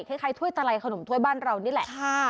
คล้ายถ้วยตลายขนมถ้วยบ้านเรานี่แหละ